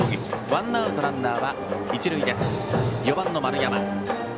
ワンアウトランナー、一塁で打席には４番の丸山。